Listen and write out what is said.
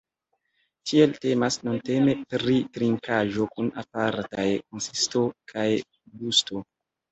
Tial temas nuntempe pri trinkaĵo kun apartaj konsisto kaj gusto.